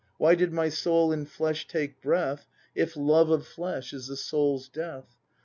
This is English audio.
— Why did my soul in flesh take breath. If love of flesh is the soul's death ?